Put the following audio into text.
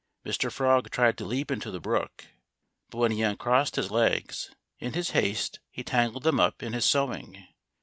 Mr. Frog tried to leap into the brook. But when he uncrossed his legs, in his haste he tangled them up in his sewing.